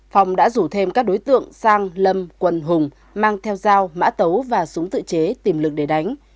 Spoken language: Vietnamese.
phong đã rủ thêm các đối tượng sang lâm quần hùng mang theo dao mã tấu và súng tự chế tìm lực để đánh